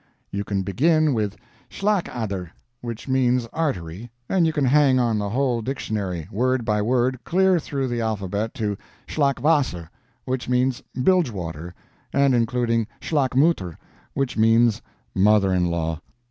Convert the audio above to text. You can begin with SCHLAG ADER, which means artery, and you can hang on the whole dictionary, word by word, clear through the alphabet to SCHLAG WASSER, which means bilge water and including SCHLAG MUTTER, which means mother in law.